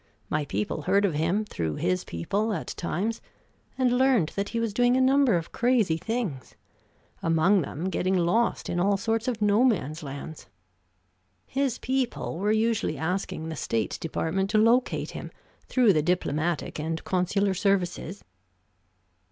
My people heard of him through his people at times, and learned that he was doing a number of crazy things, among them getting lost in all sorts of No man's lands. His people were usually asking the State Department to locate him, through the diplomatic and consular services."